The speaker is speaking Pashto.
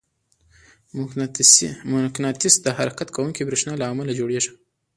مقناطیس د حرکت کوونکي برېښنا له امله جوړېږي.